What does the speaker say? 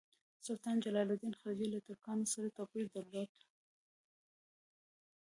سلطان جلال الدین خلجي له ترکانو سره توپیر درلود.